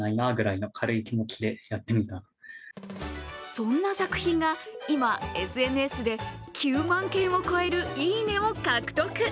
そんな作品が、今ＳＮＳで９万件を超える「いいね」を獲得。